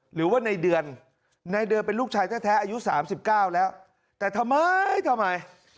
หรือว่าในเดือนในเดือนเป็นลูกชายแท้อายุ๓๙แล้วแต่ทำไมทำไม